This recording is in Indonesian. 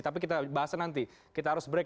tapi kita bahas nanti kita harus break